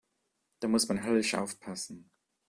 Da muss man höllisch aufpassen.